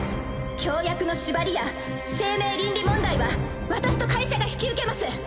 協約の縛りや生命倫理問題は私と会社が引き受けます。